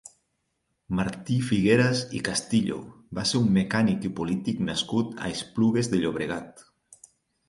Martí Figueras i Castillo va ser un mecànic i polític nascut a Esplugues de Llobregat.